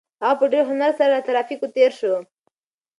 هغه په ډېر هنر سره له ترافیکو تېر شو.